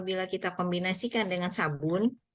bila kita kombinasikan dengan sabun